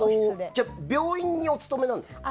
じゃあ病院にお勤めなんですか？